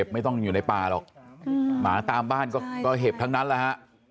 ไม่ต้องอยู่ในป่าหรอกหมาตามบ้านก็เห็บทั้งนั้นแหละฮะ